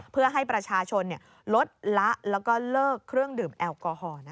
เพื่อให้ประชาชนลดละแล้วก็เลิกเครื่องดื่มแอลกอฮอล์